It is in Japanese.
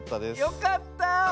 よかった。